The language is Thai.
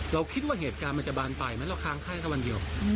เราคิดว่าเหตุการณ์วันกรมจะบันไปไหมแล้วข้างไข่สักวันเดียว